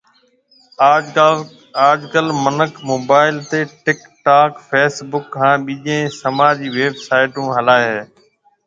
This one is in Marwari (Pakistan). آج ڪل منک موبائل تيَ ٽِڪ ٽاڪ، فيس بُڪ ھان ٻيجيَ سماجِي ويب سائيٽون ھلائيَ ھيََََ